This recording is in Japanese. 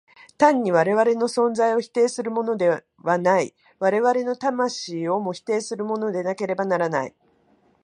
単に我々の存在を否定するのではない、我々の魂をも否定するのでなければならない。